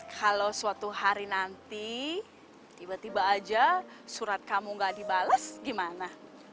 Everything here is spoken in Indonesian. kalau suatu hari nanti tiba tiba aja surat kamu gak dibalas gimana